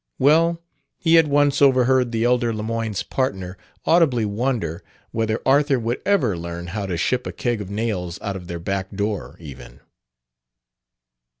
Well, he had once overheard the elder Lemoyne's partner audibly wonder whether Arthur would ever learn how to ship a keg of nails out of their back door, even.